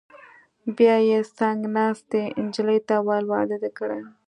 بیا یې څنګ ناستې نجلۍ ته وویل: واده دې کړی؟